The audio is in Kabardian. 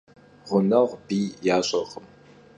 Ğuneğu biy yaş'ırkhım.